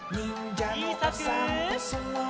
ちいさく。